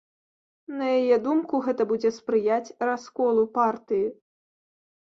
На яе думку, гэта будзе спрыяць расколу партыі.